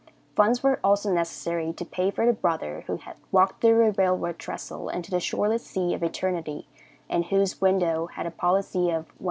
Funds were also necessary to pay for a brother who had walked through a railroad trestle into the shoreless sea of eternity, and whose widow had a policy of $135.